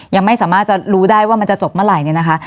ยังไม่สามารถจะรู้ได้ว่ามันจะจบเมื่อไหร่เนี่ยนะคะ